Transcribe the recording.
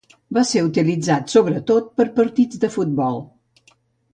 Va ser utilitzat, sobretot, per partits de futbol.